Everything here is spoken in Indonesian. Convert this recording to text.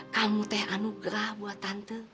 kamu teh anugerah buat tante